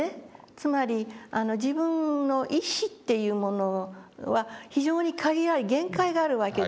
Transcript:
つまり自分の意志っていうものは非常に限られ限界があるわけです。